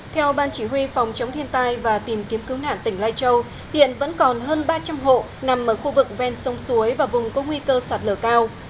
theo ban chỉ huy phòng chống thiên tai và tìm kiếm cứu nạn tỉnh lai châu hiện vẫn còn hơn ba trăm linh hộ nằm ở khu vực ven sông suối và vùng có nguy cơ sạt lở cao